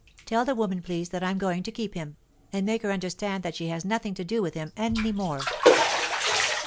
Tell the woman, please, that I'm going to keep him, and make her understand that she has nothing to do with him any more.